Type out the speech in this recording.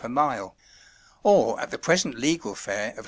per mile; or at the present legal fare of 6d.